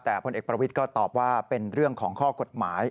แต่พลเอกประวิทย์ก็ตอบว่าเป็นเรื่องของข้อกฎหมาย